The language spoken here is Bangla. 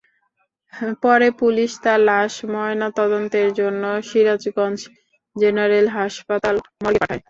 পরে পুলিশ তাঁর লাশ ময়নাতদন্তের জন্য সিরাজগঞ্জ জেনারেল হাসপাতাল মর্গে পাঠায়।